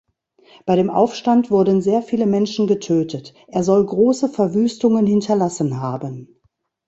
Bei dem Aufstand wurden sehr viele Menschen getötet, er soll große Verwüstungen hinterlassen haben.